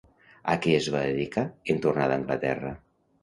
A què es va dedicar en tornar d'Anglaterra?